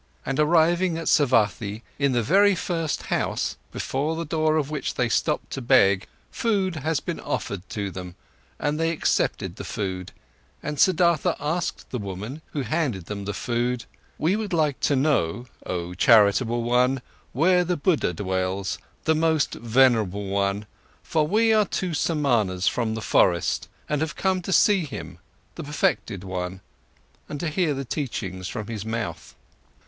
And arriving at Savathi, in the very first house, before the door of which they stopped to beg, food has been offered to them, and they accepted the food, and Siddhartha asked the woman, who handed them the food: "We would like to know, oh charitable one, where the Buddha dwells, the most venerable one, for we are two Samanas from the forest and have come, to see him, the perfected one, and to hear the teachings from his mouth."